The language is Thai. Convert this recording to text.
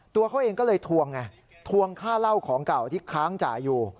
ตัวเขาเองก็เลยทวงไงทวงค่าเหล้าของเก่าที่ค้างจ่ายอยู่